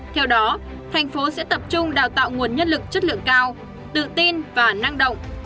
theo đó thành phố sẽ tập trung đào tạo nguồn nhân lực chất lượng cao tự tin và năng động